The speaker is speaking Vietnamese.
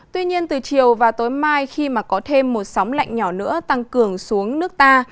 tuy nhiên từ chiều và tối mai khi mà có thêm một sóng lạnh nhỏ nữa tăng cường xuống nước ta